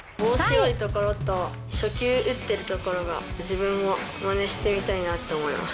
おもしろいところと初球打ってるところが、自分も真似してみたいなって思います。